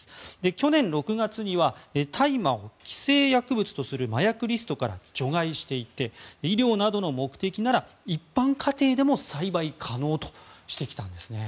去年６月には大麻を規制薬物とする麻薬リストから除外していて医療などの目的なら一般家庭でも栽培可能としてきたんですね。